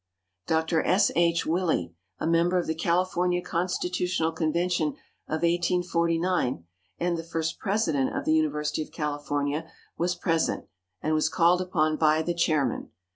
Dr. S. H. Willey, a member of the California Constitutional Convention of 1849, and the first President of the University of California, was present, and was called upon by the chairman.